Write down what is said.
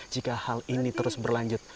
jika hal ini terus berlanjut